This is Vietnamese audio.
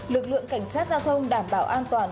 lực lượng cảnh sát giao thông đảm bảo an toàn